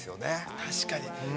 ◆確かに。